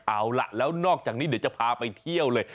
เอาล่ะแล้วนอกจากนี้เดี๋ยวจะพาไปเที่ยวเลย